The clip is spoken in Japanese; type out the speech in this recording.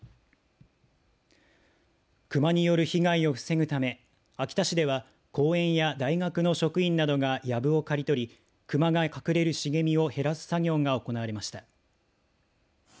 クマによる被害を防ぐため秋田市では公園や大学の職員などがやぶを刈り取りクマが隠れる茂みを減らす作業が行われました。